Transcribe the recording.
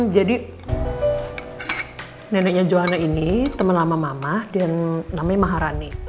jadi neneknya joana ini temen lama mama dan namanya maharani